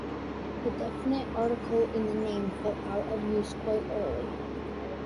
The definite article in the name fell out of use quite early.